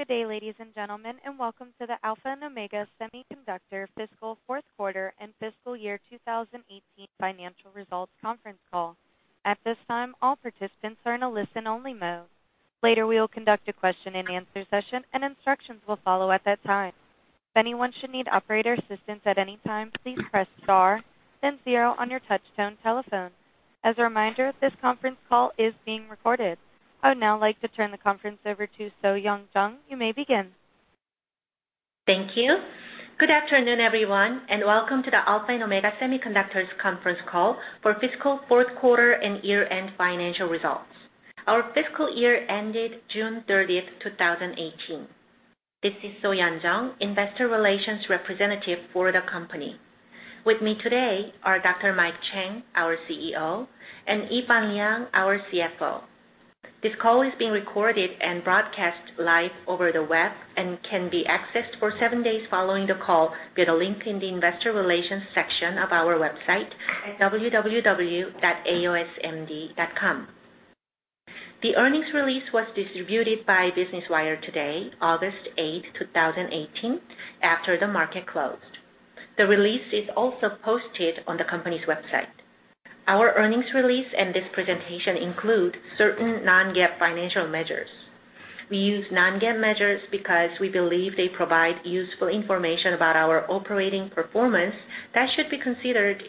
Good day, ladies and gentlemen, and welcome to the Alpha and Omega Semiconductor fiscal fourth quarter and fiscal year 2018 financial results conference call. At this time, all participants are in a listen-only mode. Later, we will conduct a question-and-answer session, and instructions will follow at that time. If anyone should need operator assistance at any time, please press star then zero on your touchtone telephone. As a reminder, this conference call is being recorded. I would now like to turn the conference over to So-Yeon Jeong. You may begin. Thank you. Good afternoon, everyone, and welcome to the Alpha and Omega Semiconductor conference call for fiscal fourth quarter and year-end financial results. Our fiscal year ended June 30th, 2018. This is So-Yeon Jeong, investor relations representative for the company. With me today are Dr. Mike Chang, our CEO, and Yifan Liang, our CFO. This call is being recorded and broadcast live over the web and can be accessed for seven days following the call via the link in the investor relations section of our website at www.aosmd.com. The earnings release was distributed by Business Wire today, August 8th, 2018, after the market closed. The release is also posted on the company's website. Our earnings release and this presentation include certain non-GAAP financial measures. We use non-GAAP measures because we believe they provide useful information about our operating performance that should be considered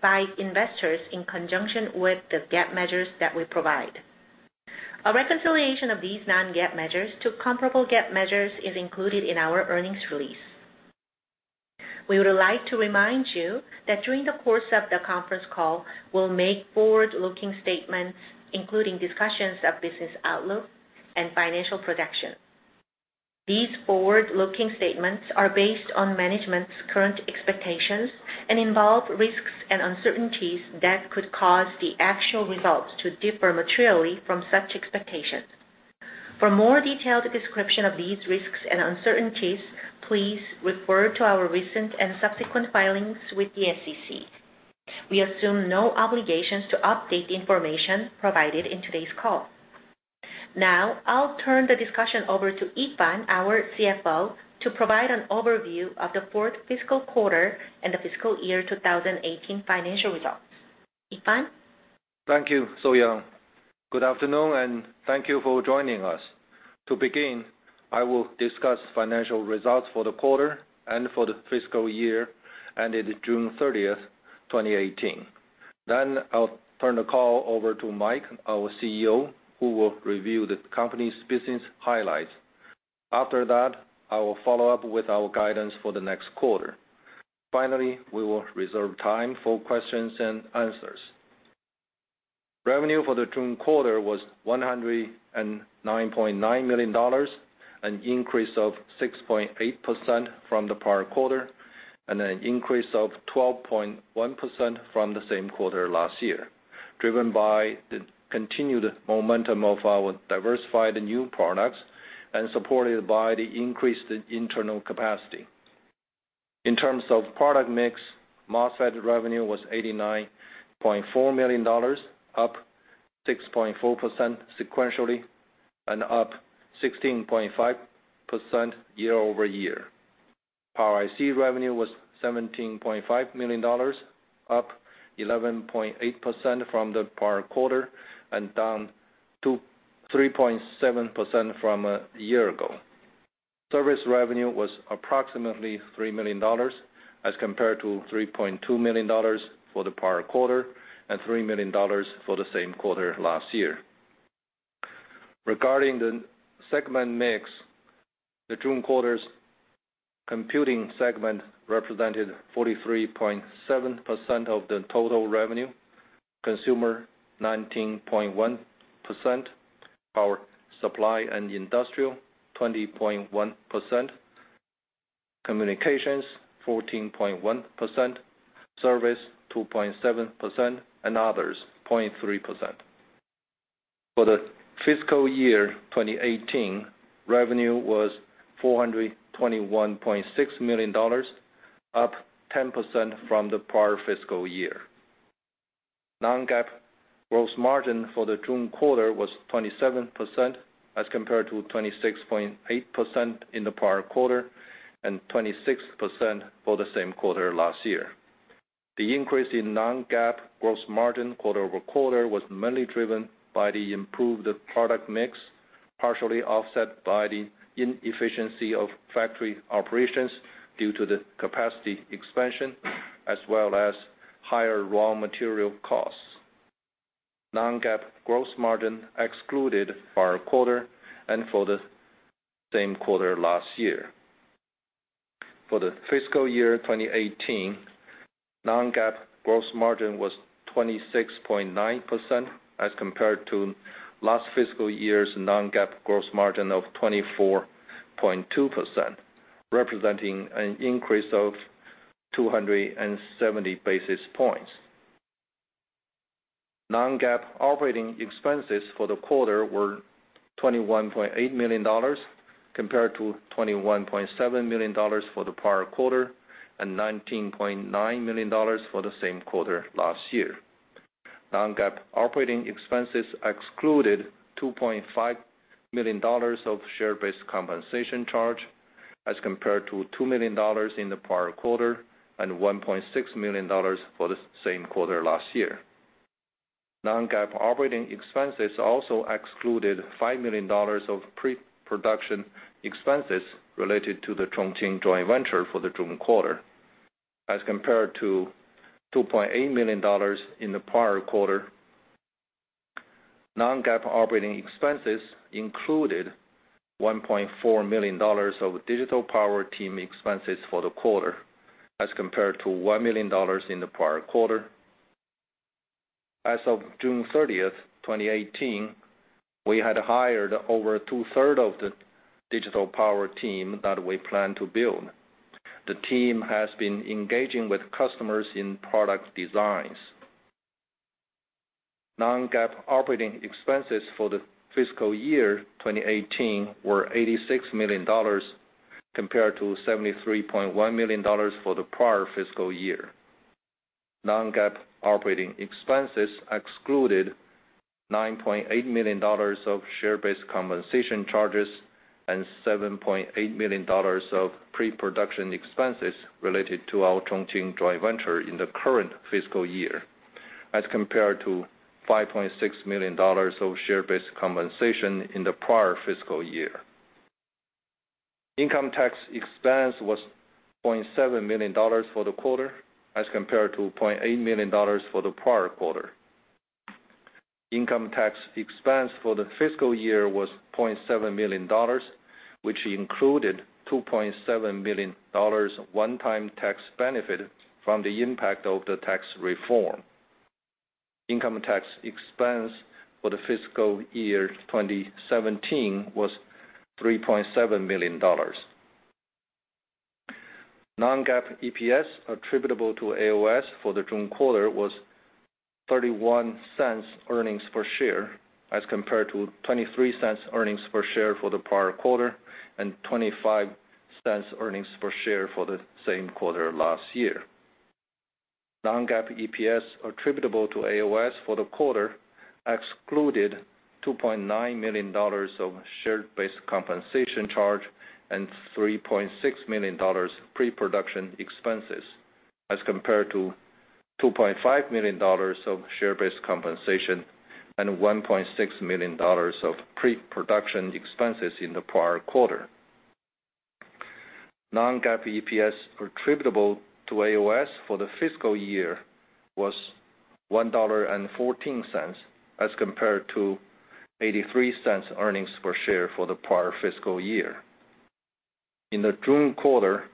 by investors in conjunction with the GAAP measures that we provide. A reconciliation of these non-GAAP measures to comparable GAAP measures is included in our earnings release. We would like to remind you that during the course of the conference call, we'll make forward-looking statements, including discussions of business outlook and financial projections. These forward-looking statements are based on management's current expectations and involve risks and uncertainties that could cause the actual results to differ materially from such expectations. For more detailed description of these risks and uncertainties, please refer to our recent and subsequent filings with the SEC. We assume no obligations to update the information provided in today's call. Now, I'll turn the discussion over to Yifan, our CFO, to provide an overview of the fourth fiscal quarter and the fiscal year 2018 financial results. Yifan? Thank you, So-Yeon. Good afternoon, and thank you for joining us. To begin, I will discuss financial results for the quarter and for the fiscal year ended June 30th, 2018. Then I'll turn the call over to Mike, our CEO, who will review the company's business highlights. After that, I will follow up with our guidance for the next quarter. Finally, we will reserve time for questions and answers. Revenue for the June quarter was $109.9 million, an increase of 6.8% from the prior quarter, and an increase of 12.1% from the same quarter last year, driven by the continued momentum of our diversified new products and supported by the increased internal capacity. In terms of product mix, MOSFET revenue was $89.4 million, up 6.4% sequentially and up 16.5% year-over-year. Power IC revenue was $17.5 million, up 11.8% from the prior quarter and down 3.7% from a year ago. Service revenue was approximately $3 million as compared to $3.2 million for the prior quarter and $3 million for the same quarter last year. Regarding the segment mix, the June quarter's computing segment represented 43.7% of the total revenue, consumer 19.1%, power supply and industrial 20.1%, communications 14.1%, service 2.7%, and others 0.3%. For the fiscal year 2018, revenue was $421.6 million, up 10% from the prior fiscal year. Non-GAAP gross margin for the June quarter was 27%, as compared to 26.8% in the prior quarter and 26% for the same quarter last year. The increase in non-GAAP gross margin quarter-over-quarter was mainly driven by the improved product mix, partially offset by the inefficiency of factory operations due to the capacity expansion, as well as higher raw material costs. Non-GAAP gross margin excluded prior quarter and for the same quarter last year. For the fiscal year 2018, non-GAAP gross margin was 26.9% as compared to last fiscal year's non-GAAP gross margin of 24.2%, representing an increase of 270 basis points. Non-GAAP operating expenses for the quarter were $21.8 million, compared to $21.7 million for the prior quarter and $19.9 million for the same quarter last year. Non-GAAP operating expenses excluded $2.5 million of share-based compensation charge as compared to $2 million in the prior quarter and $1.6 million for the same quarter last year. Non-GAAP operating expenses also excluded $5 million of pre-production expenses related to the Chongqing joint venture for the June quarter as compared to $2.8 million in the prior quarter. Non-GAAP operating expenses included $1.4 million of Digital Power team expenses for the quarter as compared to $1 million in the prior quarter. As of June 30th, 2018, we had hired over two-third of the Digital Power team that we plan to build. The team has been engaging with customers in product designs. Non-GAAP operating expenses for the fiscal year 2018 were $86 million compared to $73.1 million for the prior fiscal year. Non-GAAP operating expenses excluded $9.8 million of share-based compensation charges and $7.8 million of pre-production expenses related to our Chongqing joint venture in the current fiscal year, as compared to $5.6 million of share-based compensation in the prior fiscal year. Income tax expense was $0.7 million for the quarter as compared to $0.8 million for the prior quarter. Income tax expense for the fiscal year was $0.7 million, which included $2.7 million one-time tax benefit from the impact of the tax reform. Income tax expense for the fiscal year 2017 was $3.7 million. Non-GAAP EPS attributable to AOS for the June quarter was $0.31 earnings per share as compared to $0.23 earnings per share for the prior quarter and $0.25 earnings per share for the same quarter last year. Non-GAAP EPS attributable to AOS for the quarter excluded $2.9 million of share-based compensation charge and $3.6 million pre-production expenses as compared to $2.5 million of share-based compensation and $1.6 million of pre-production expenses in the prior quarter. Non-GAAP EPS attributable to AOS for the fiscal year was $1.14 as compared to $0.83 earnings per share for the prior fiscal year. In the June quarter,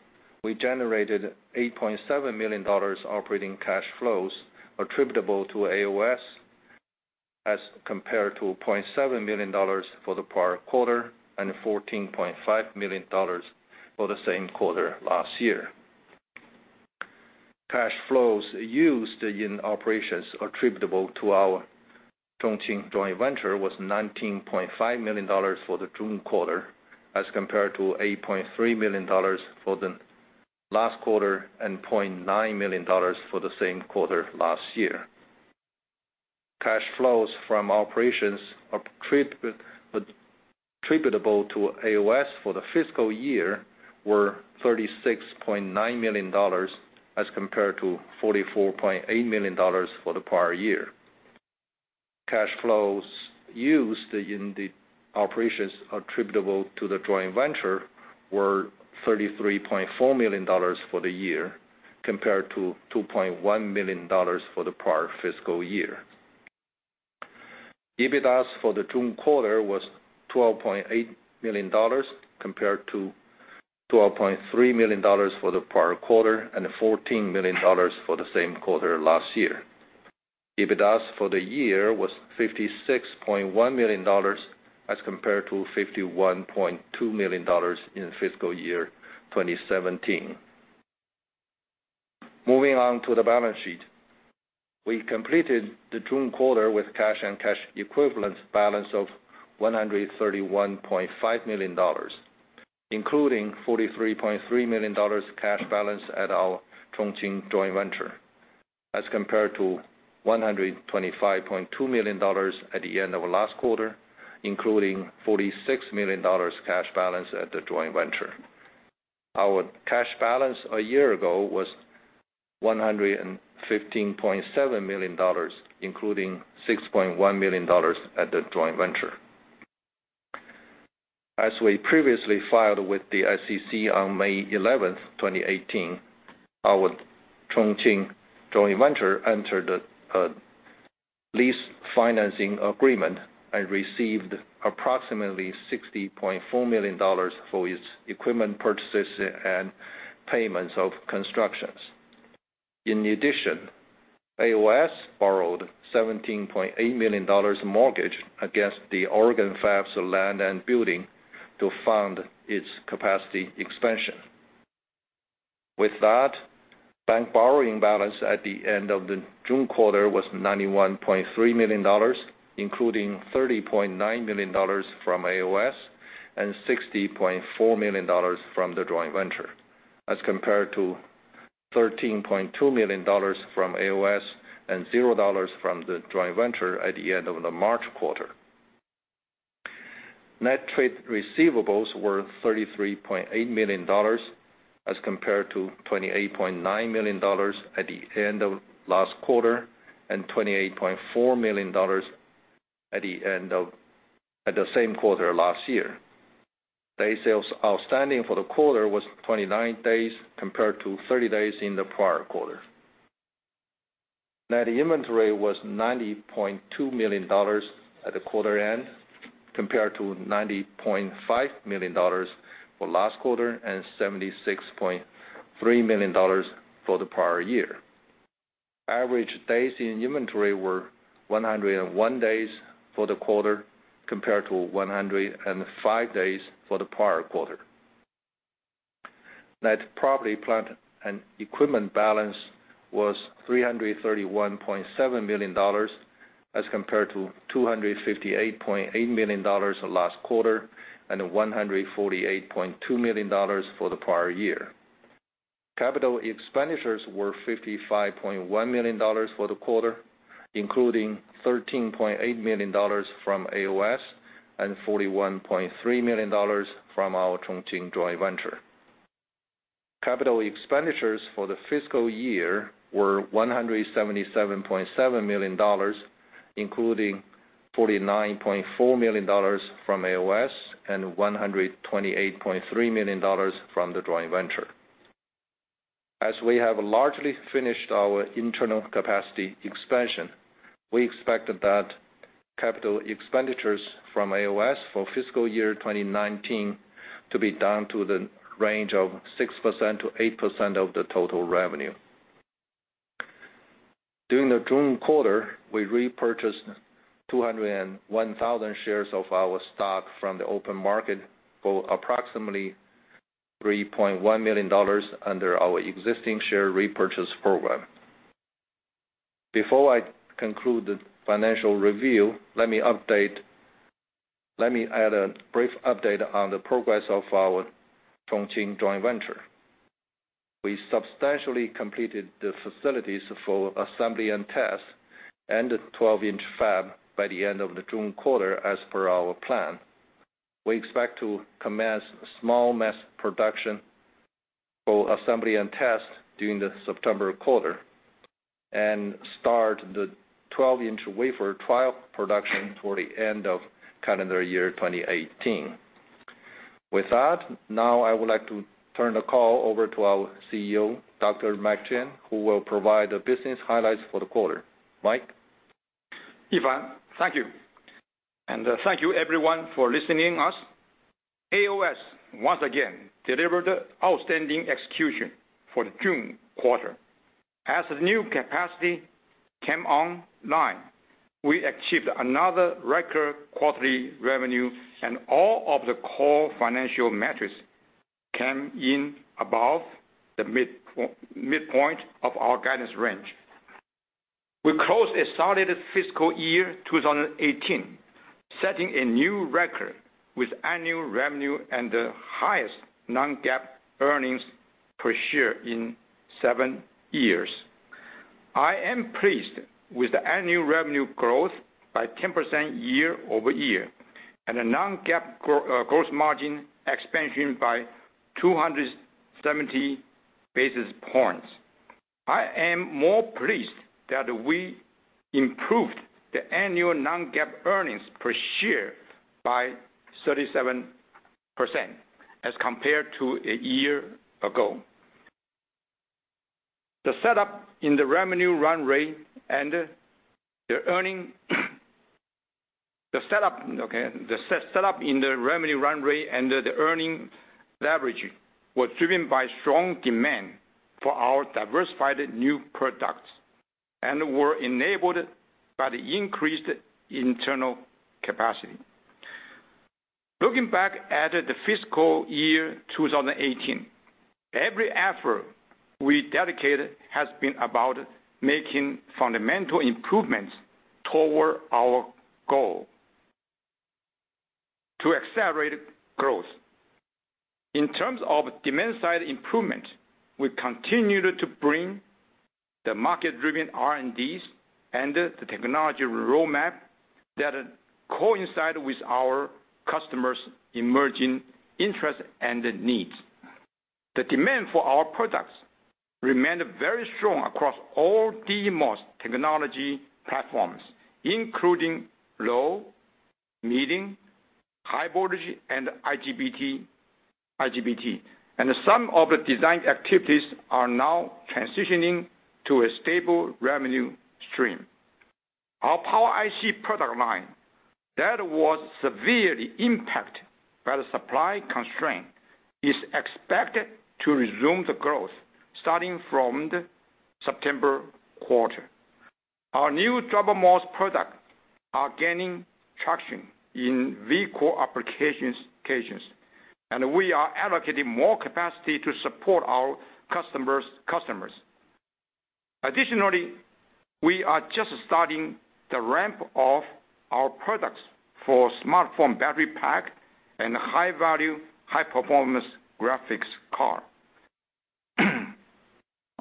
we generated $8.7 million operating cash flows attributable to AOS as compared to $0.7 million for the prior quarter and $14.5 million for the same quarter last year. Cash flows used in operations attributable to our Chongqing joint venture was $19.5 million for the June quarter as compared to $8.3 million for the last quarter and $0.9 million for the same quarter last year. Cash flows from operations attributable to AOS for the fiscal year were $36.9 million as compared to $44.8 million for the prior year. Cash flows used in the operations attributable to the joint venture were $33.4 million for the year compared to $2.1 million for the prior fiscal year. EBITDA for the June quarter was $12.8 million compared to $12.3 million for the prior quarter and $14 million for the same quarter last year. EBITDA for the year was $56.1 million as compared to $51.2 million in fiscal year 2017. Moving on to the balance sheet. We completed the June quarter with cash and cash equivalents balance of $131.5 million, including $43.3 million cash balance at our Chongqing joint venture as compared to $125.2 million at the end of last quarter, including $46 million cash balance at the joint venture. Our cash balance a year ago was $115.7 million, including $6.1 million at the joint venture. As we previously filed with the SEC on May 11th, 2018, our Chongqing joint venture entered a lease financing agreement and received approximately $60.4 million for its equipment purchases and payments of constructions. In addition, AOS borrowed $17.8 million mortgage against the Oregon Fab's land and building to fund its capacity expansion. With that, bank borrowing balance at the end of the June quarter was $91.3 million, including $30.9 million from AOS and $60.4 million from the joint venture. As compared to $13.2 million from AOS and zero dollars from the joint venture at the end of the March quarter. Net trade receivables were $33.8 million as compared to $28.9 million at the end of last quarter and $28.4 million at the same quarter last year. Day sales outstanding for the quarter was 29 days, compared to 30 days in the prior quarter. Net inventory was $90.2 million at the quarter end, compared to $90.5 million for last quarter and $76.3 million for the prior year. Average days in inventory were 101 days for the quarter, compared to 105 days for the prior quarter. Net property, plant, and equipment balance was $331.7 million as compared to $258.8 million last quarter and $148.2 million for the prior year. Capital expenditures were $55.1 million for the quarter, including $13.8 million from AOS and $41.3 million from our Chongqing joint venture. Capital expenditures for the fiscal year were $177.7 million, including $49.4 million from AOS and $128.3 million from the joint venture. As we have largely finished our internal capacity expansion, we expect that capital expenditures from AOS for fiscal year 2019 to be down to the range of 6%-8% of the total revenue. During the June quarter, we repurchased 201,000 shares of our stock from the open market for approximately $3.1 million under our existing share repurchase program. Before I conclude the financial review, let me add a brief update on the progress of our Chongqing joint venture. We substantially completed the facilities for assembly and test and the 12-inch fab by the end of the June quarter, as per our plan. We expect to commence small mass production for assembly and test during the September quarter, and start the 12-inch wafer trial production toward the end of calendar year 2018. With that, now I would like to turn the call over to our CEO, Dr. Mike Chang, who will provide the business highlights for the quarter. Mike? Yifan, thank you. Thank you everyone for listening us. AOS, once again, delivered outstanding execution for the June quarter. As the new capacity came online, we achieved another record quarterly revenue and all of the core financial metrics came in above the midpoint of our guidance range. We closed a solid fiscal year 2018, setting a new record with annual revenue and the highest non-GAAP earnings per share in seven years. I am pleased with the annual revenue growth by 10% year-over-year, and a non-GAAP gross margin expansion by 270 basis points. I am more pleased that we improved the annual non-GAAP earnings per share by 37% as compared to a year ago. The setup in the revenue run rate and the earning, okay. The setup in the revenue run rate and the earning leverage was driven by strong demand for our diversified new products and were enabled by the increased internal capacity. Looking back at the fiscal year 2018, every effort we dedicated has been about making fundamental improvements toward our goal to accelerate growth. In terms of demand side improvement, we continued to bring the market-driven R&Ds and the technology roadmap that coincide with our customers' emerging interest and needs. The demand for our products remained very strong across all DMOS technology platforms, including low, medium, high voltage and IGBT. Some of the design activities are now transitioning to a stable revenue stream. Our Power IC product line that was severely impacted by the supply constraint is expected to resume the growth starting from the September quarter. Our new DrMOS product are gaining traction in vehicle applications. We are allocating more capacity to support our customers. Additionally, we are just starting the ramp of our products for smartphone battery pack and high-value, high-performance graphics card.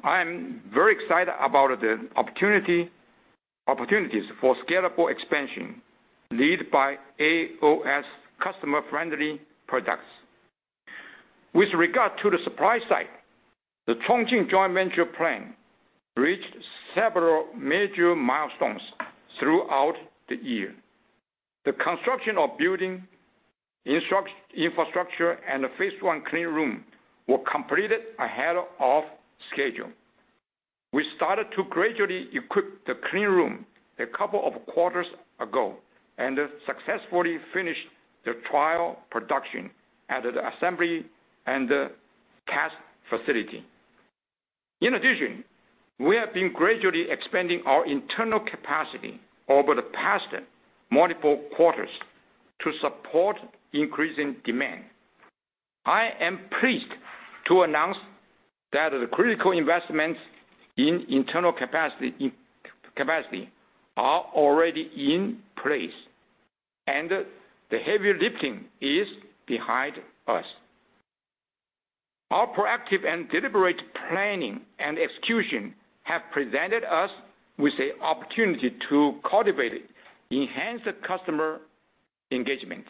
I am very excited about the opportunities for scalable expansion led by AOS customer-friendly products. With regard to the supply side, the Chongqing joint venture plan reached several major milestones throughout the year. The construction of building infrastructure and the phase 1 clean room were completed ahead of schedule. We started to gradually equip the clean room a couple of quarters ago, and have successfully finished the trial production at the assembly and the test facility. In addition, we have been gradually expanding our internal capacity over the past multiple quarters to support increasing demand. I am pleased to announce that the critical investments in internal capacity are already in place, and the heavy lifting is behind us. Our proactive and deliberate planning and execution have presented us with the opportunity to cultivate enhanced customer engagement.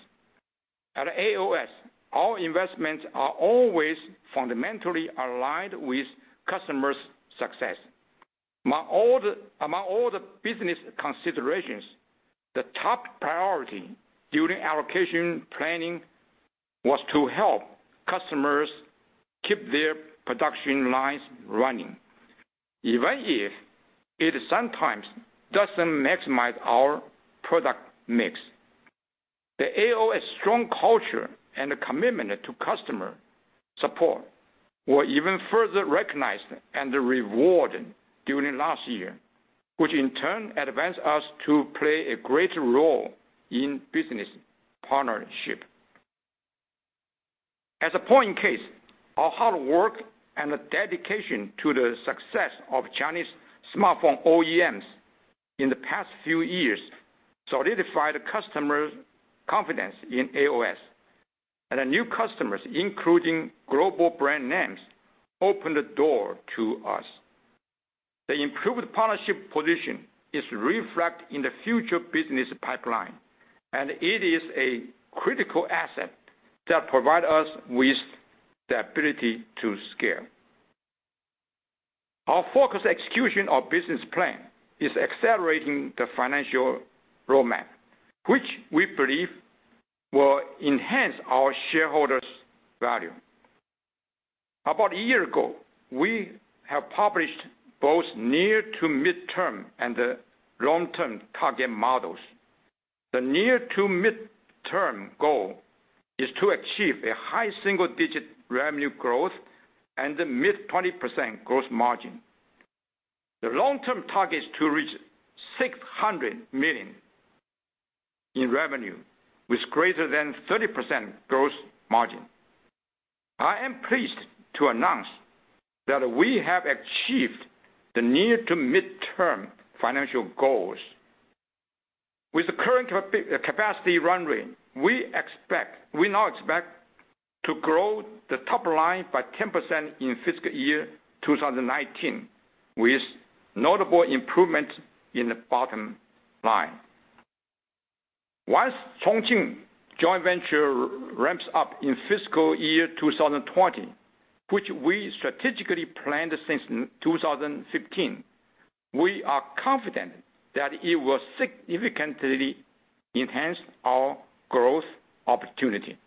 At AOS, our investments are always fundamentally aligned with customers' success. Among all the business considerations, the top priority during allocation planning was to help customers keep their production lines running, even if it sometimes doesn't maximize our product mix. The AOS strong culture and commitment to customer support were even further recognized and rewarded during last year, which in turn advanced us to play a greater role in business partnership. As a point case, our hard work and dedication to the success of Chinese smartphone OEMs in the past few years solidified customers' confidence in AOS. New customers, including global brand names, opened the door to us. The improved partnership position is reflected in the future business pipeline, and it is a critical asset that provide us with the ability to scale. Our focused execution of business plan is accelerating the financial roadmap, which we believe will enhance our shareholders' value. About a year ago, we have published both near to midterm and the long-term target models. The near to midterm goal is to achieve a high single-digit revenue growth and a mid 20% gross margin. The long-term target is to reach $600 million in revenue with greater than 30% gross margin. I am pleased to announce that we have achieved the near to midterm financial goals. With the current capacity run rate, we now expect to grow the top line by 10% in fiscal year 2019, with notable improvement in the bottom line. Once Chongqing joint venture ramps up in fiscal year 2020, which we strategically planned since 2015, we are confident that it will significantly enhance our growth opportunity.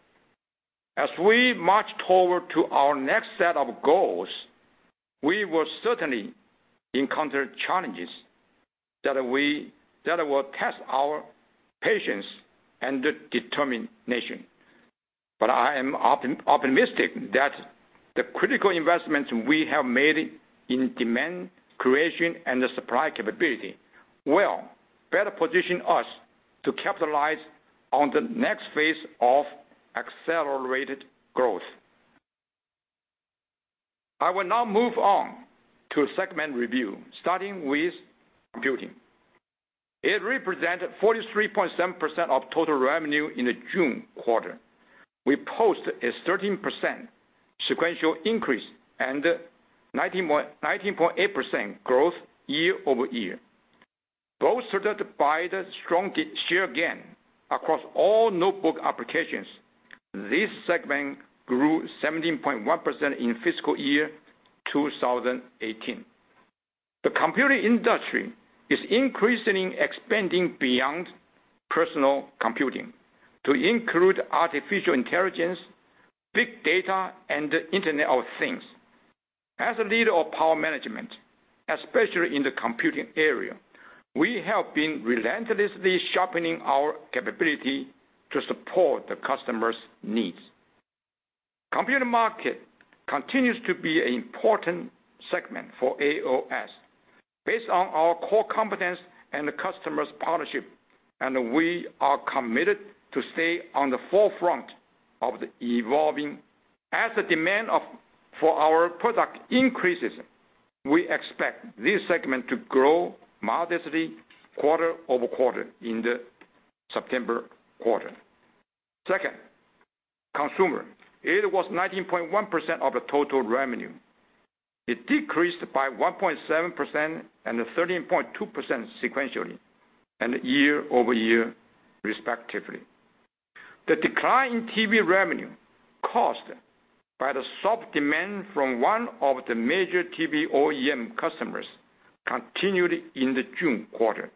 As we march toward to our next set of goals, we will certainly encounter challenges that will test our patience and determination. I am optimistic that the critical investments we have made in demand creation and the supply capability will better position us to capitalize on the next phase of accelerated growth. I will now move on to segment review, starting with computing. It represented 43.7% of total revenue in the June quarter. We post a 13% sequential increase and 19.8% growth year-over-year. Bolstered by the strong share gain across all notebook applications, this segment grew 17.1% in fiscal year 2018. The computing industry is increasingly expanding beyond personal computing to include artificial intelligence, big data, and Internet of Things. As a leader of power management, especially in the computing area, we have been relentlessly sharpening our capability to support the customer's needs. Computer market continues to be an important segment for AOS based on our core competence and the customer's partnership, and we are committed to stay on the forefront of the evolving. As the demand for our product increases, we expect this segment to grow modestly quarter-over-quarter in the September quarter. Second, consumer. It was 19.1% of the total revenue. It decreased by 1.7% and 13.2% sequentially and year-over-year, respectively. The decline in TV revenue caused by the soft demand from one of the major TV OEM customers continued in the June quarter,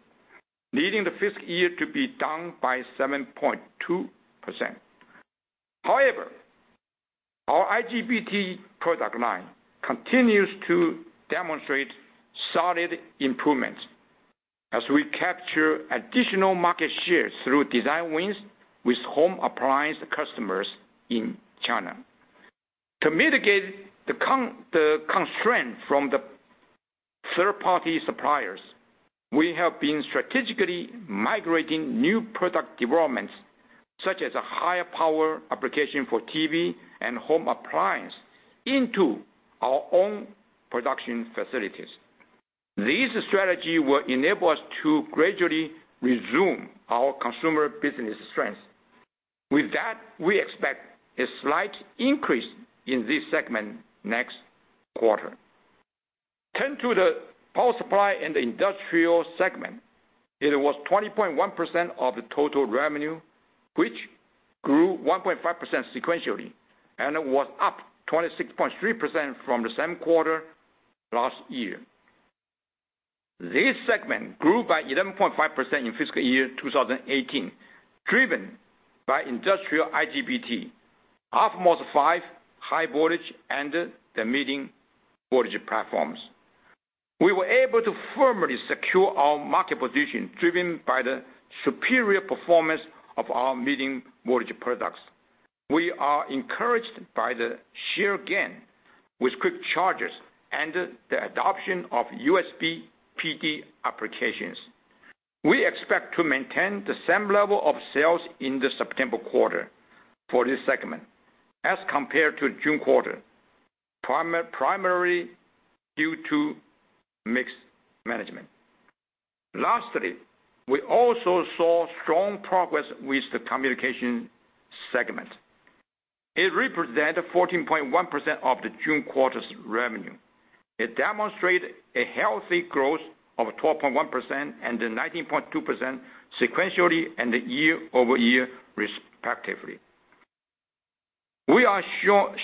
leading the fiscal year to be down by 7.2%. Our IGBT product line continues to demonstrate solid improvements as we capture additional market shares through design wins with home appliance customers in China. To mitigate the constraint from the third-party suppliers, we have been strategically migrating new product developments, such as a higher power application for TV and home appliance, into our own production facilities. This strategy will enable us to gradually resume our consumer business strength. We expect a slight increase in this segment next quarter. Turn to the power supply and the industrial segment. It was 20.1% of the total revenue, which grew 1.5% sequentially, and it was up 26.3% from the same quarter last year. This segment grew by 11.5% in fiscal year 2018, driven by industrial IGBT, αMOS5 high voltage and the medium voltage platforms. We were able to firmly secure our market position, driven by the superior performance of our medium voltage products. We are encouraged by the share gain with quick chargers and the adoption of USB PD applications. We expect to maintain the same level of sales in the September quarter for this segment as compared to the June quarter, primarily due to mixed management. We also saw strong progress with the communication segment. It represented 14.1% of the June quarter's revenue. It demonstrated a healthy growth of 12.1% and 19.2% sequentially and year-over-year, respectively. We are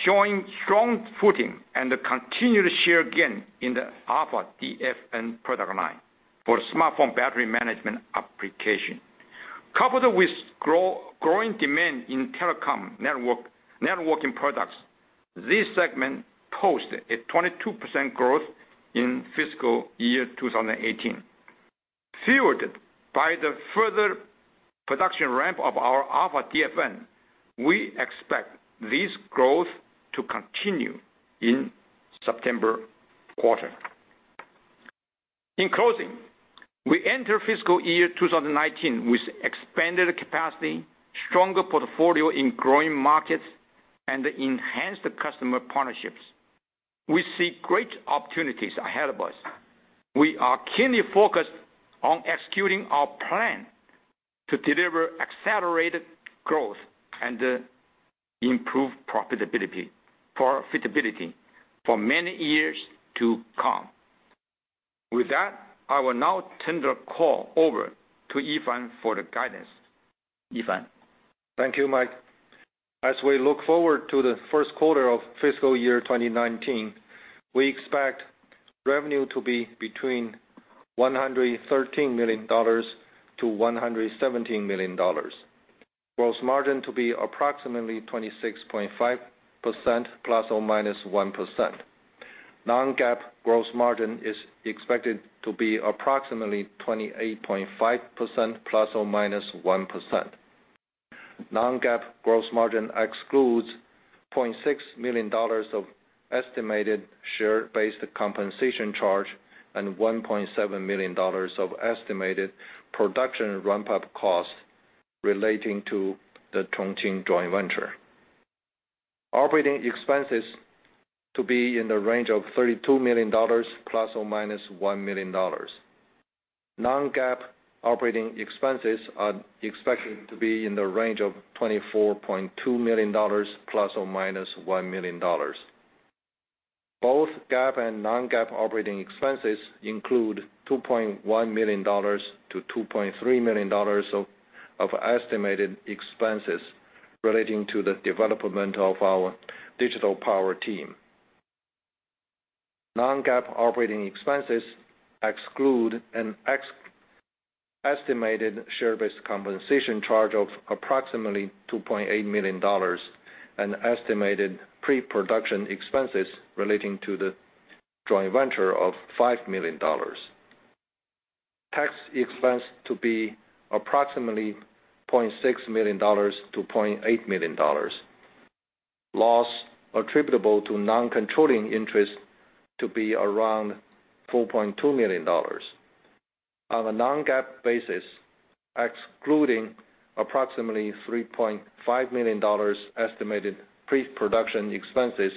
showing strong footing and continued share gain in the Alpha DFN product line for smartphone battery management application. Coupled with growing demand in telecom networking products, this segment posted a 22% growth in fiscal year 2018. Fueled by the further production ramp of our Alpha DFN, we expect this growth to continue in September quarter. We enter fiscal year 2019 with expanded capacity, stronger portfolio in growing markets, and enhanced customer partnerships. We see great opportunities ahead of us. We are keenly focused on executing our plan to deliver accelerated growth and improve profitability for many years to come. I will now turn the call over to Yifan for the guidance. Yifan. Thank you, Mike. As we look forward to the first quarter of fiscal year 2019, we expect revenue to be between $113 million-$117 million. Gross margin to be approximately 26.5% ±1%. Non-GAAP gross margin is expected to be approximately 28.5% ±1%. Non-GAAP gross margin excludes $0.6 million of estimated share-based compensation charge and $1.7 million of estimated production ramp-up costs relating to the Chongqing joint venture. Operating expenses to be in the range of $32 million ±$1 million. Non-GAAP operating expenses are expected to be in the range of $24.2 million ±$1 million. Both GAAP and non-GAAP operating expenses include $2.1 million-$2.3 million of estimated expenses relating to the development of our Digital Power team. Non-GAAP operating expenses exclude an estimated share-based compensation charge of approximately $2.8 million, an estimated pre-production expenses relating to the joint venture of $5 million. Tax expense to be approximately $0.6 million-$0.8 million. Loss attributable to non-controlling interest to be around $4.2 million. On a non-GAAP basis, excluding approximately $3.5 million estimated pre-production expenses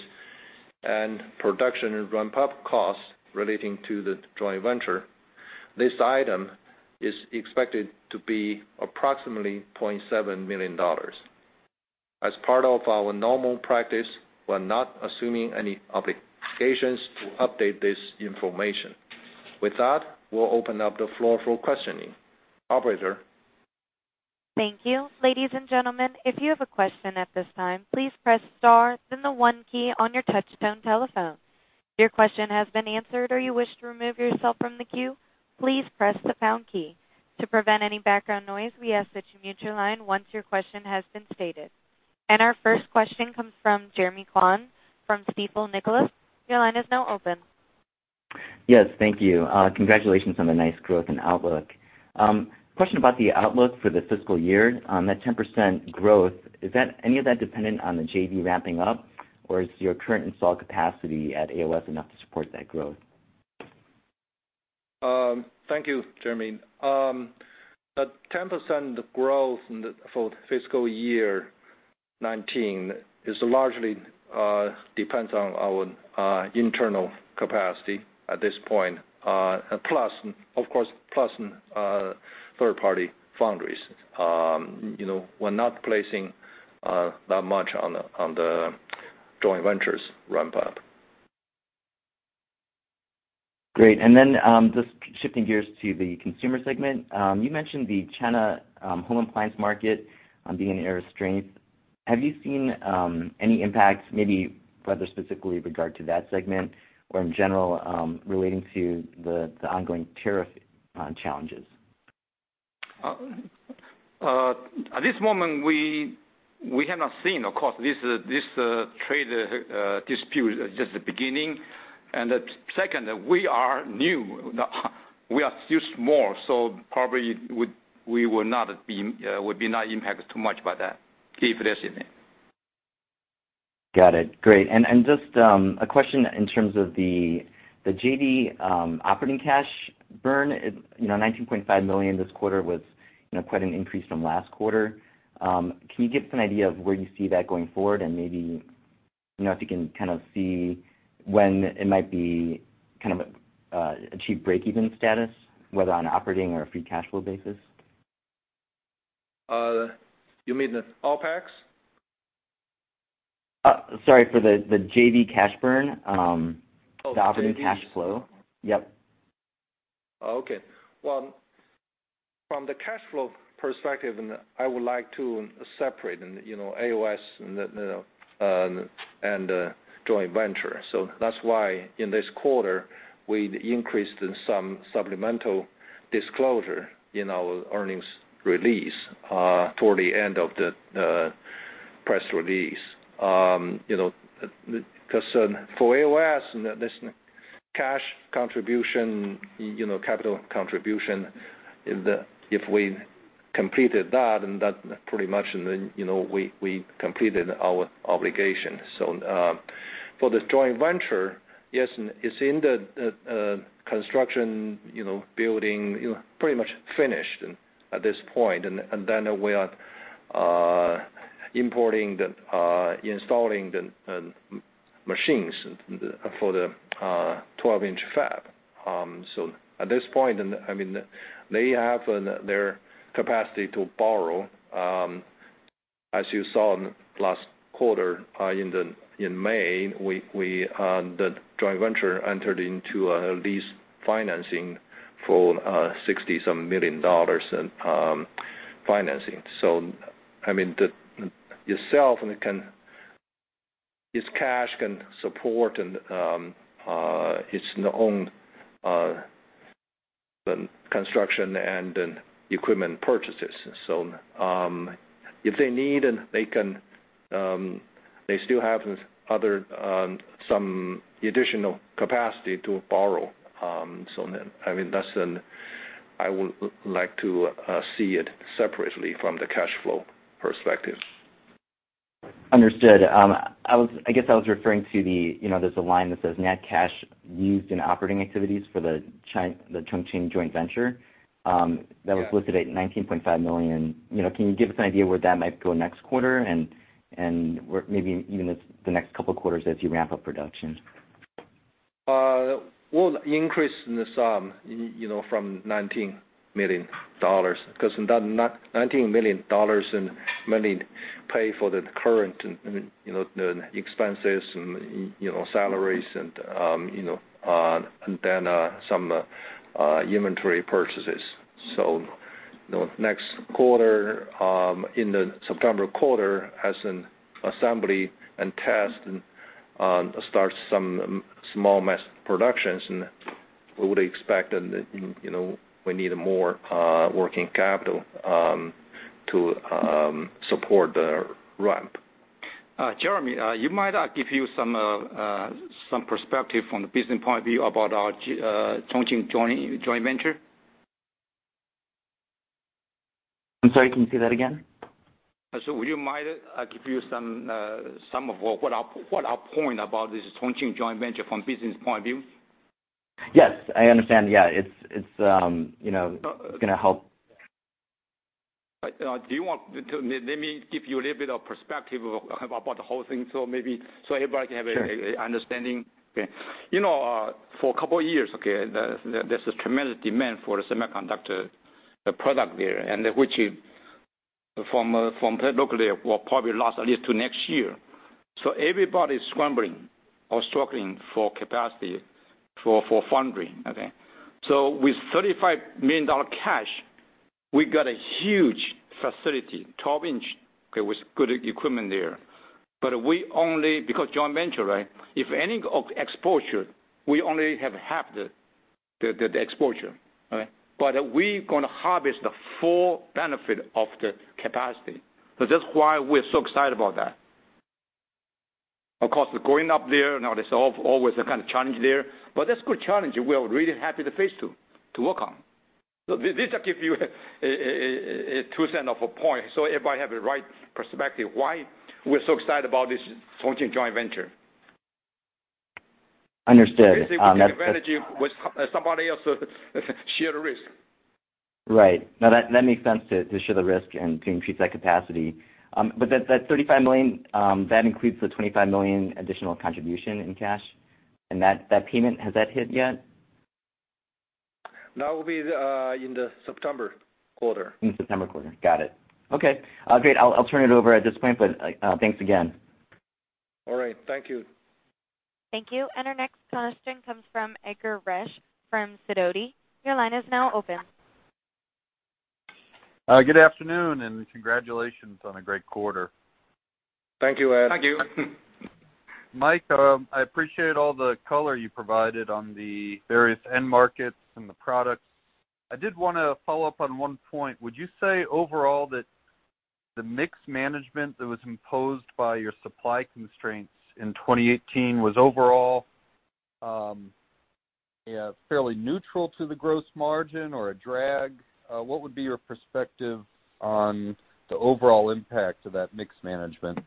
and production ramp-up costs relating to the joint venture, this item is expected to be approximately $0.7 million. As part of our normal practice, we're not assuming any obligations to update this information. With that, we'll open up the floor for questioning. Operator? Thank you. Ladies and gentlemen, if you have a question at this time, please press star then the one key on your touchtone telephone. If your question has been answered or you wish to remove yourself from the queue, please press the pound key. To prevent any background noise, we ask that you mute your line once your question has been stated. Our first question comes from Jeremy Kwan from Stifel Nicolaus. Your line is now open. Yes, thank you. Congratulations on the nice growth and outlook. Question about the outlook for the fiscal year. That 10% growth, is any of that dependent on the JV ramping up, or is your current install capacity at AOS enough to support that growth? Thank you, Jeremy. The 10% growth for the fiscal year 2019 largely depends on our internal capacity at this point. Plus, of course, third-party foundries. We're not placing that much on the joint venture's ramp-up. Great. Then, just shifting gears to the consumer segment. You mentioned the China home appliance market being an area of strength. Have you seen any impacts, maybe whether specifically regard to that segment or in general, relating to the ongoing tariff challenges? At this moment, we have not seen. Of course, this trade dispute is just the beginning, and second, we are new. We are still small, so probably we will not be impacted too much by that, if there's any. Got it. Great. Just a question in terms of the JV operating cash burn. $19.5 million this quarter was quite an increase from last quarter. Can you give us an idea of where you see that going forward and maybe if you can kind of see when it might achieve breakeven status, whether on an operating or a free cash flow basis? You mean the OpEx? Sorry, for the JV cash burn. Oh, the JV. the operating cash flow. Yep. Well, from the cash flow perspective, I would like to separate AOS and the joint venture. That's why in this quarter, we increased some supplemental disclosure in our earnings release toward the end of the press release. For AOS, this cash contribution, capital contribution, if we completed that, then that pretty much we completed our obligation. For the joint venture, yes, it's in the construction building, pretty much finished at this point. Then we are importing, installing the machines for the 12-inch fab. At this point, they have their capacity to borrow. As you saw last quarter in May, the joint venture entered into a lease financing for $60-some million in financing. Itself, its cash can support its own construction and equipment purchases. If they need, they still have some additional capacity to borrow. I would like to see it separately from the cash flow perspective. Understood. I guess I was referring to the line that says net cash used in operating activities for the Chongqing joint venture. Yeah. That was listed at $19.5 million. Can you give us an idea where that might go next quarter and maybe even the next couple of quarters as you ramp up production? We'll increase the sum from $19 million, because that $19 million mainly pay for the current expenses and salaries and then some inventory purchases. Next quarter, in the September quarter, as assembly and test starts some small mass productions, we would expect we need more working capital to support the ramp. Jeremy, you mind I give you some perspective from the business point of view about our Chongqing joint venture? I'm sorry, can you say that again? Would you mind, I give you what our point about this Chongqing joint venture from business point of view? Yes, I understand. Yeah. It's going to help. Let me give you a little bit of perspective about the whole thing, so everybody can have a- Sure understanding. Okay. For a couple years, okay, there's this tremendous demand for the semiconductor product there, and which from locally, will probably last at least to next year. Everybody's scrambling or struggling for capacity for foundry, okay? With $35 million cash, we got a huge facility, 12-inch, okay, with good equipment there. We only, because joint venture, right? If any exposure, we only have half the exposure. Okay? We going to harvest the full benefit of the capacity. That's why we're so excited about that. Of course, going up there, now there's always a kind of challenge there, but that's good challenge we are really happy to face to work on. This will give you a two cent of a point, so everybody have the right perspective why we're so excited about this Chongqing joint venture. Understood. With the advantage with somebody else's shared risk. Right. No, that makes sense to share the risk and to increase that capacity. That $35 million, that includes the $25 million additional contribution in cash, and that payment, has that hit yet? No, it will be in the September quarter. In September quarter. Got it. Okay. Great. I'll turn it over at this point, thanks again. All right. Thank you. Thank you. Our next question comes from Edgar Roesch from Sidoti. Your line is now open. Good afternoon, congratulations on a great quarter. Thank you, Ed. Thank you. Mike, I appreciate all the color you provided on the various end markets and the products. I did want to follow up on one point. Would you say overall that the mix management that was imposed by your supply constraints in 2018 was overall fairly neutral to the gross margin or a drag? What would be your perspective on the overall impact of that mix management?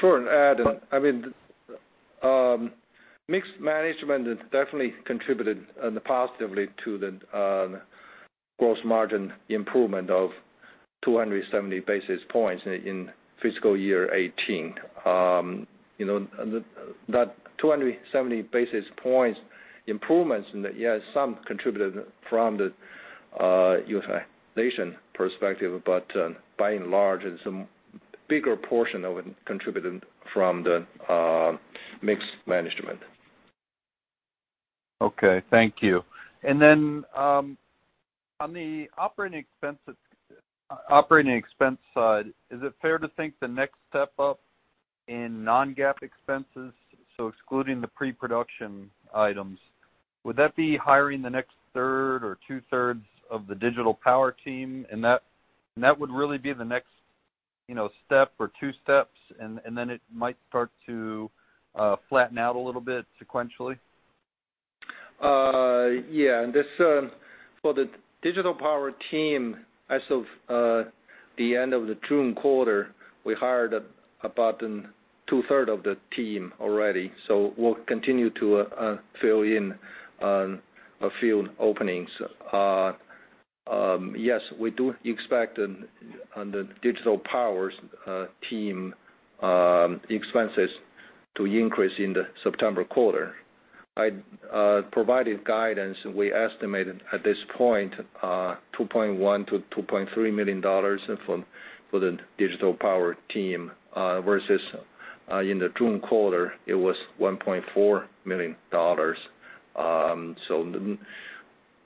Sure, Ed. I mean, mix management has definitely contributed positively to the gross margin improvement of 270 basis points in fiscal year 2018. That 270 basis points improvements, yes, some contributed from the [U.S.A. nation] perspective. By and large, it's a bigger portion of it contributed from the mix management. Okay. Thank you. Then, on the operating expense side, is it fair to think the next step up in non-GAAP expenses, so excluding the pre-production items, would that be hiring the next third or two-thirds of the Digital Power team? That would really be the next step or two steps, then it might start to flatten out a little bit sequentially? For the Digital Power team, as of the end of the June quarter, we hired about two-thirds of the team already. We'll continue to fill in a few openings. Yes, we do expect on the Digital Power team expenses to increase in the September quarter. I provided guidance. We estimated, at this point, $2.1 million-$2.3 million for the Digital Power team, versus in the June quarter, it was $1.4 million.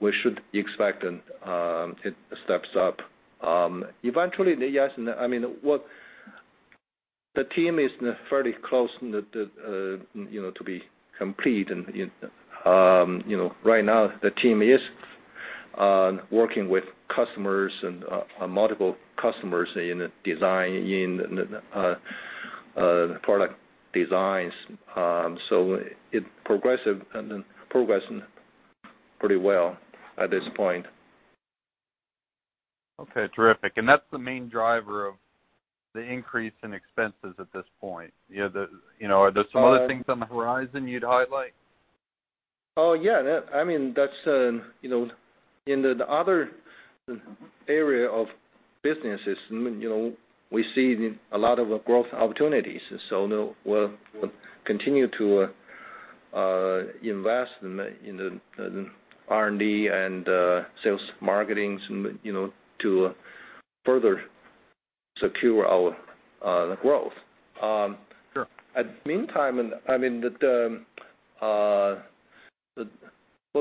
We should expect it steps up. Eventually, yes, I mean, the team is fairly close to be complete, and right now the team is working with customers and multiple customers in the product designs. It progressing pretty well at this point. Okay, terrific. That's the main driver of the increase in expenses at this point. Are there some other things on the horizon you'd highlight? In the other area of businesses, we see a lot of growth opportunities. We'll continue to invest in the R&D and sales marketing to further secure our growth. Sure. At meantime, for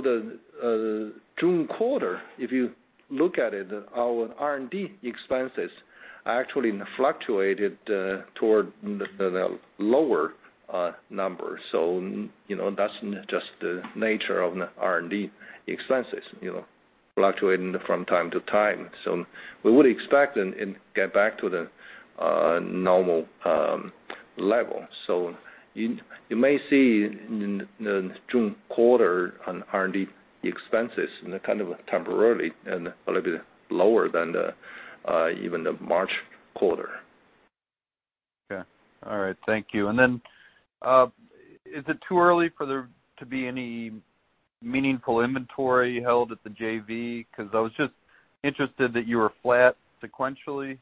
the June quarter, if you look at it, our R&D expenses actually fluctuated toward the lower numbers. That's just the nature of R&D expenses fluctuating from time to time. We would expect it get back to the normal level. You may see in the June quarter on R&D expenses, kind of temporarily, a little bit lower than even the March quarter. Okay. All right. Thank you. Is it too early for there to be any meaningful inventory held at the JV? I was just interested that you were flat sequentially,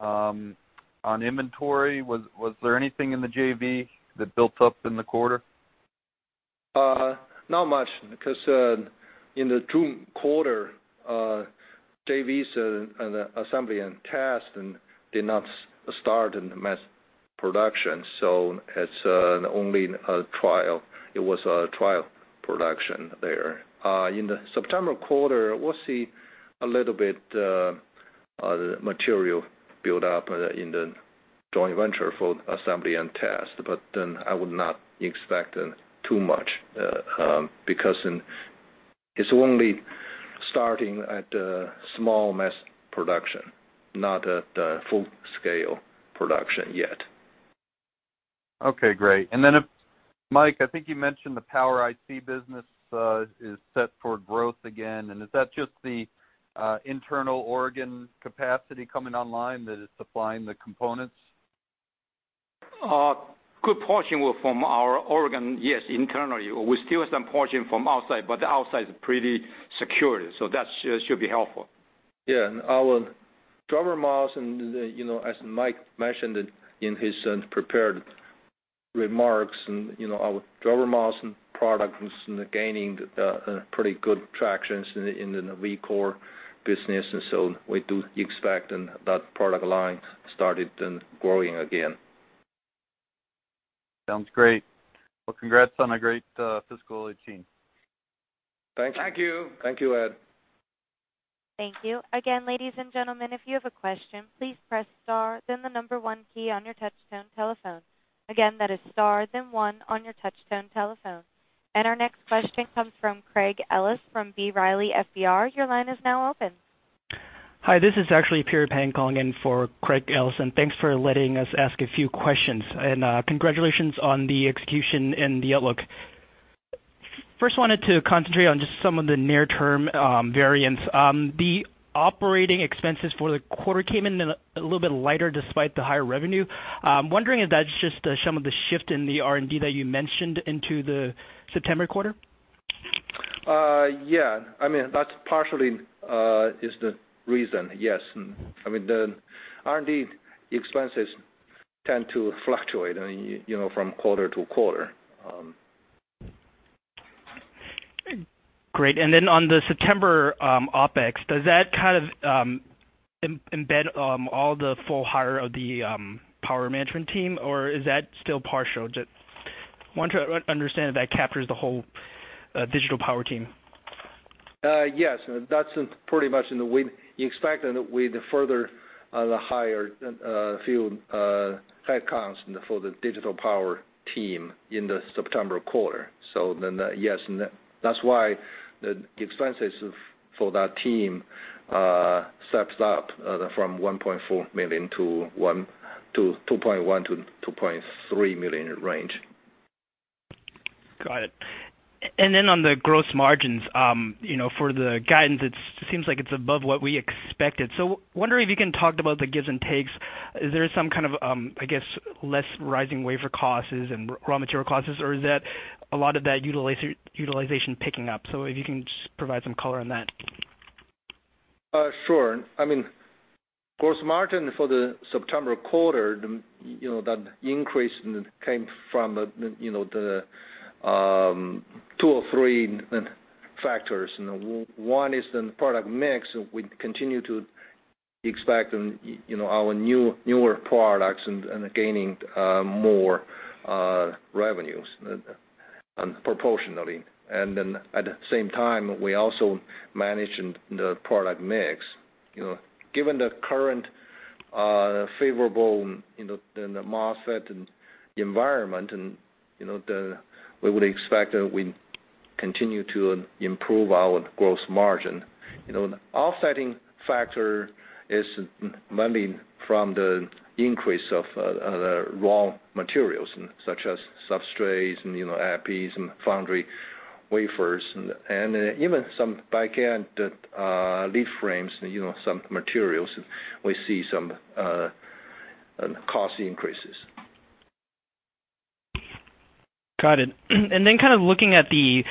on inventory. Was there anything in the JV that built up in the quarter? Not much, because, in the June quarter, JVs and assembly and test did not start in the mass production. It's only in a trial. It was a trial production there. In the September quarter, we'll see a little bit, material build up in the joint venture for assembly and test. I would not expect too much, because it's only starting at small mass production, not at full-scale production yet. Okay, great. If, Mike, I think you mentioned the Power IC business is set for growth again, and is that just the internal Oregon capacity coming online that is supplying the components? A good portion were from our Oregon. Yes, internally. We steal some portion from outside, but the outside is pretty secured, so that should be helpful. Yeah, our Driver MOS, as Mike mentioned in his prepared remarks, our Driver MOS product was gaining pretty good traction in the Vcore business, and so we do expect that product line started growing again. Sounds great. Well, congrats on a great fiscal 2018. Thank you. Thank you. Thank you, Ed. Thank you. Again, ladies and gentlemen, if you have a question, please press star, then the number one key on your touchtone telephone. Again, that is star, then one on your touchtone telephone. Our next question comes from Craig Ellis from B. Riley FBR. Your line is now open. Hi, this is actually Peter Peng calling in for Craig Ellis, and thanks for letting us ask a few questions. Congratulations on the execution and the outlook. First wanted to concentrate on just some of the near-term variance. The operating expenses for the quarter came in a little bit lighter despite the higher revenue. I'm wondering if that's just some of the shift in the R&D that you mentioned into the September quarter. That partially is the reason, yes. The R&D expenses tend to fluctuate from quarter to quarter. Great. On the September OpEx, does that kind of embed all the full hire of the power management team, or is that still partial? Want to understand if that captures the whole Digital Power team. Yes. That's pretty much we expect that we further hire a few headcounts for the Digital Power team in the September quarter. That's why the expenses for that team steps up from $1.4 million to $2.1 million to $2.3 million range. Got it. On the gross margins, for the guidance, it seems like it's above what we expected. Wondering if you can talk about the gives and takes. Is there some kind of, I guess, less rising wafer costs and raw material costs, or is that a lot of that utilization picking up? If you can just provide some color on that. Sure. Gross margin for the September quarter, that increase came from two or three factors. One is the product mix. We continue to expect our newer products gaining more revenues proportionally. At the same time, we also manage the product mix. Given the current favorable MOSFET environment, we would expect that we continue to improve our gross margin. An offsetting factor is mainly from the increase of raw materials, such as substrates and epi and foundry wafers, and even some back-end lead frames, some materials, we see some cost increases. Got it. Kind of looking at the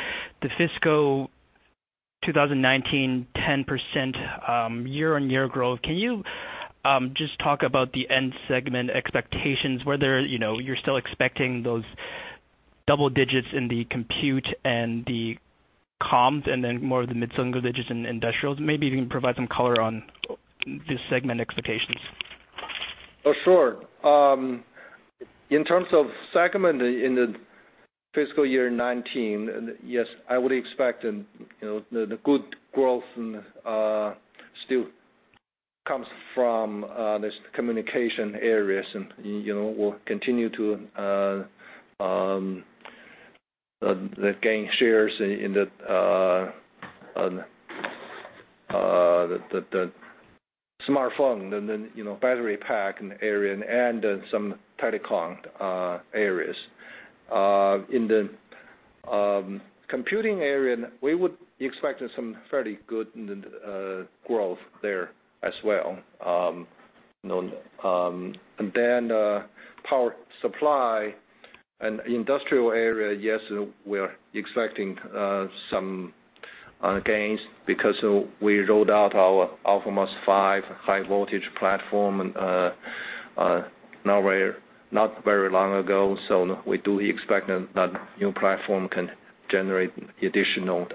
fiscal 2019, 10% year-on-year growth, can you just talk about the end segment expectations, whether you're still expecting those double digits in the compute and the comms, and then more of the mid-single digits in industrials? Maybe you can provide some color on the segment expectations. Sure. In terms of segment in the fiscal year 2019, yes, I would expect the good growth still comes from this communication areas, and will continue to gain shares in the smartphone and then battery pack area and some telecom areas. In the computing area, we would be expecting some fairly good growth there as well. Power supply and industrial area, yes, we are expecting some gains because we rolled out our αMOS5 high voltage platform not very long ago. We do expect that new platform can generate additional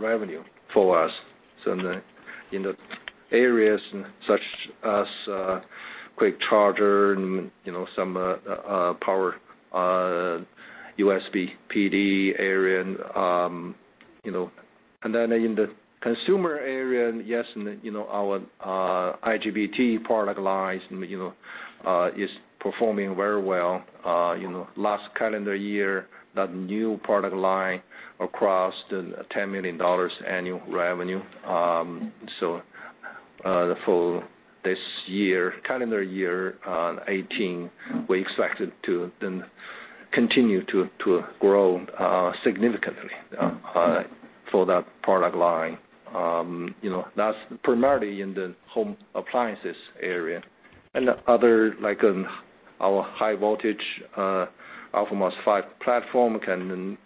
revenue for us. In the areas such as quick chargers and some power USB PD area. In the consumer area, yes, our IGBT product lines is performing very well. Last calendar year, that new product line crossed $10 million annual revenue. For this year, calendar year 2018, we expect it to then continue to grow significantly for that product line. That's primarily in the home appliances area. Other, like our high voltage αMOS5 platform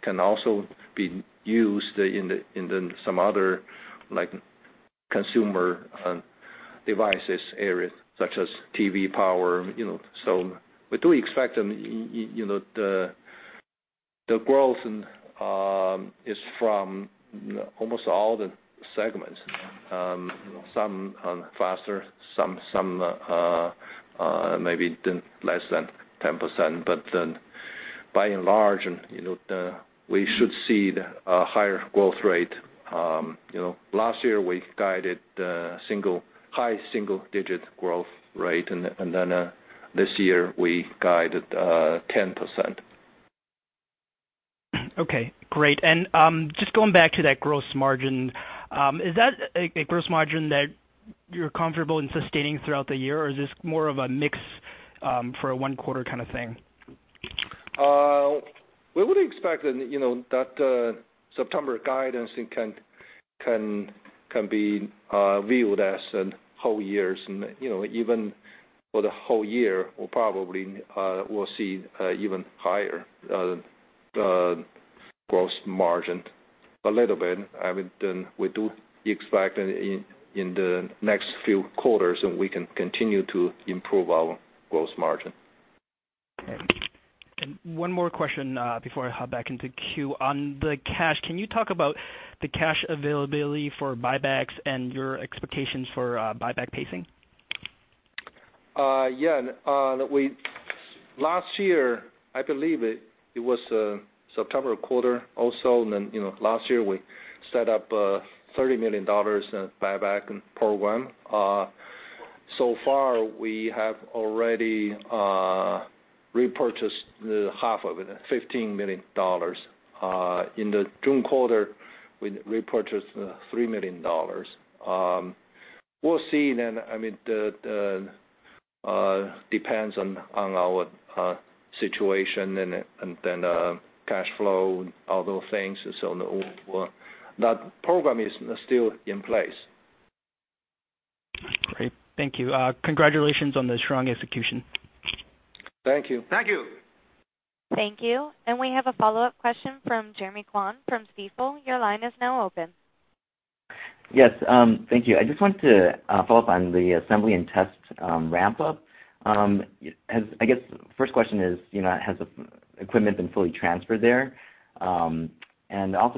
can also be used in some other consumer devices areas such as TV power. We do expect the growth is from almost all the segments. Some faster, some maybe less than 10%, but by and large, we should see the higher growth rate. Last year, we guided high single-digit growth rate, this year we guided 10%. Okay, great. Just going back to that gross margin, is that a gross margin that you're comfortable in sustaining throughout the year, or is this more of a mix for a one quarter kind of thing? We would expect that September guidance can be viewed as a whole year, even for the whole year, we probably will see even higher gross margin a little bit. We do expect in the next few quarters, we can continue to improve our gross margin. One more question before I hop back into queue. On the cash, can you talk about the cash availability for buybacks and your expectations for buyback pacing? Yeah. Last year, I believe it was September quarter also, last year we set up a $30 million buyback program. So far, we have already repurchased half of it, $15 million. In the June quarter, we repurchased $3 million. We'll see then, it depends on our situation and then cash flow and other things. That program is still in place. Great. Thank you. Congratulations on the strong execution. Thank you. Thank you. Thank you. We have a follow-up question from Jeremy Kwan from Stifel. Your line is now open. Yes. Thank you. I just wanted to follow up on the assembly and test ramp up. I guess first question is, has the equipment been fully transferred there? Can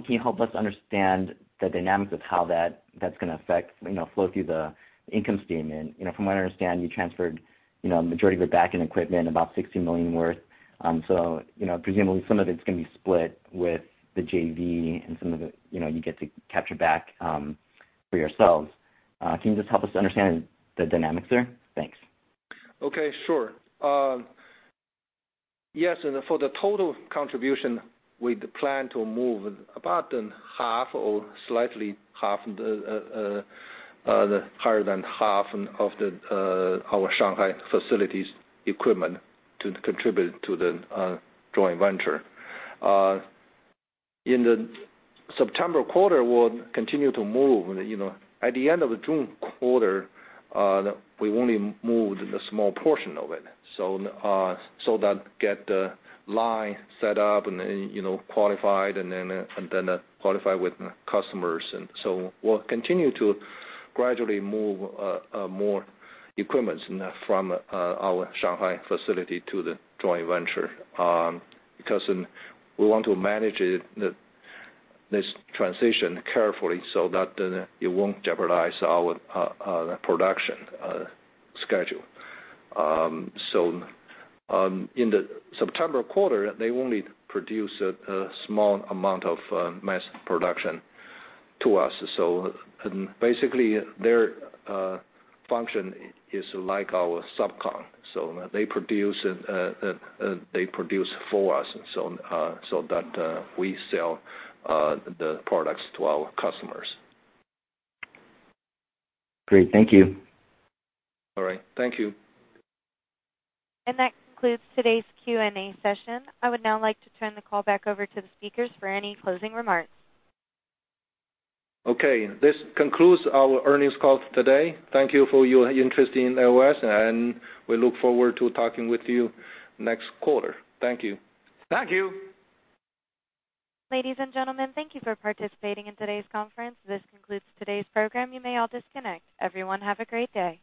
you help us understand the dynamics of how that's going to affect flow through the income statement? From what I understand, you transferred the majority of your backend equipment, about $60 million worth. Presumably, some of it's going to be split with the JV and some of it you get to capture back for yourselves. Can you just help us understand the dynamics there? Thanks. Okay, sure. For the total contribution, we plan to move about half or slightly half, higher than half of our Shanghai facilities equipment to contribute to the joint venture. In the September quarter, we'll continue to move. At the end of the June quarter, we only moved a small portion of it. That get the line set up and then qualified and then qualify with customers. We'll continue to gradually move more equipments from our Shanghai facility to the joint venture, because we want to manage this transition carefully so that it won't jeopardize our production schedule. In the September quarter, they only produce a small amount of mass production to us. Basically, their function is like our sub-con. They produce for us so that we sell the products to our customers. Great. Thank you. All right. Thank you. That concludes today's Q&A session. I would now like to turn the call back over to the speakers for any closing remarks. Okay, this concludes our earnings call today. Thank you for your interest in AOS, and we look forward to talking with you next quarter. Thank you. Thank you. Ladies and gentlemen, thank you for participating in today's conference. This concludes today's program. You may all disconnect. Everyone have a great day.